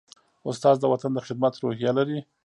استاد د وطن د خدمت روحیه لري.